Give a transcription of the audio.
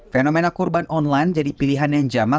fenomena kurban online jadi pilihan yang jamak